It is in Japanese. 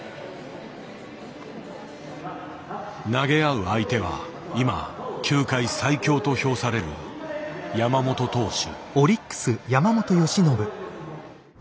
投げ合う相手は今球界最強と評される山本投手。